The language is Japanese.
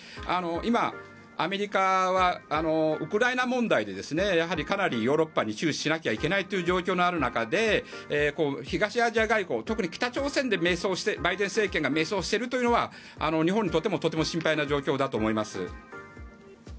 今、アメリカはウクライナ問題でかなりヨーロッパに注視しなきゃいけない状況にある中で東アジア外交、特に北朝鮮でバイデン政権が迷走しているのは日本にとってもとても心配な状況だと思います。